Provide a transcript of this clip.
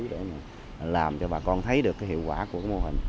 để làm cho bà con thấy được cái hiệu quả của mô hình